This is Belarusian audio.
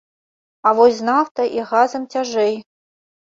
А вось з нафтай і газам цяжэй.